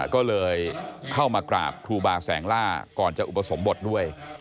ก็เลยเข้ามากราบครูบาแสงล่าก่อนจะอุปสมบทด้วย